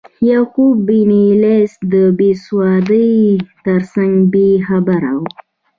یعقوب بن لیث د بیسوادۍ ترڅنګ بې خبره و.